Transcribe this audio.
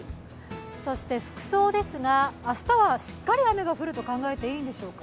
そして服装ですが、明日はしっかり雨が降ると考えていいんでしょうか？